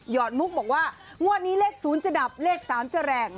อดมุกบอกว่างวดนี้เลข๐จะดับเลข๓จะแรง